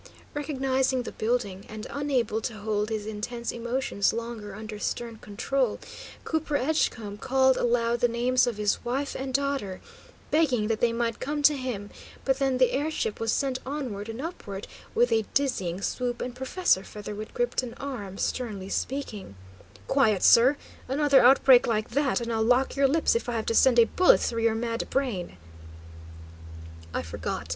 Recognising the building, and unable to hold his intense emotions longer under stern control, Cooper Edgecombe called aloud the names of his wife and daughter, begging that they might come to him; but then the air ship was sent onward and upward, with a dizzying swoop, and Professor Featherwit gripped an arm, sternly speaking: "Quiet, sir! Another outbreak like that and I'll lock your lips, if I have to send a bullet through your mad brain!" "I forgot.